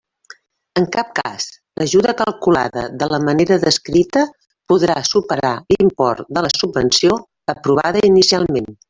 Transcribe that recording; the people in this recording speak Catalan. En cap cas, l'ajuda calculada de la manera descrita podrà superar l'import de la subvenció aprovada inicialment.